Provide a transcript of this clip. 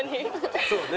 そうね。